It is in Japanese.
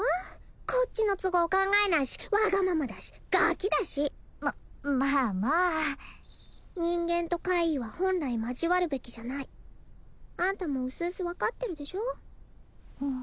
こっちの都合考えないしわがままだしガキだしままあまあ人間と怪異は本来交わるべきじゃないあんたも薄々分かってるでしょう？